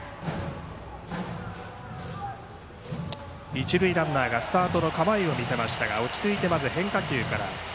一塁ランナーがスタートの構えを見せましたが落ち着いて変化球から。